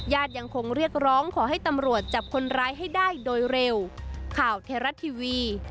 ยังคงเรียกร้องขอให้ตำรวจจับคนร้ายให้ได้โดยเร็ว